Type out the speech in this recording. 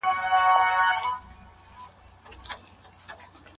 دا د انسان دنده ده.